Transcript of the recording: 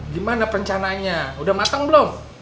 gimana rencananya udah mateng blom